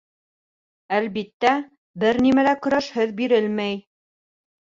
Әлбиттә, бер нәмә лә көрәшһеҙ бирелмәй.